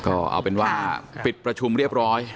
ก็เอาเป็นว่าปิดประชุมเรียบร้อย